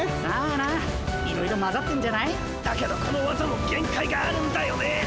さあないろいろまざってんじゃない？だけどこのわざもげん界があるんだよね！